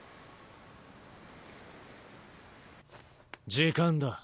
時間だ。